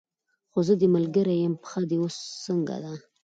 خو زه دې ملګرې یم، پښه دې اوس څنګه ده؟